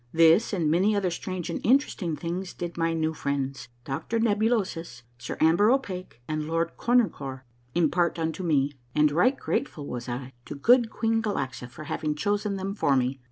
This and many other strange and interesting things did my new friends. Doctor Nebulosus, Sir Amber O'Pake, and Lord Cornucore impart unto me, and right grateful was I to good Queen Galaxa for having chosen them for me.